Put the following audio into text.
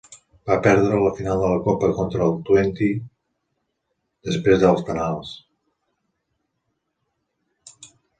Va perdre la final de la copa contra el Twente després dels penals.